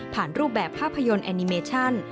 รูปแบบภาพยนตร์แอนิเมชั่น